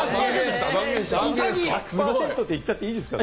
１００％と言っちゃっていいですか？